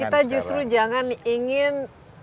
kita justru jangan ingin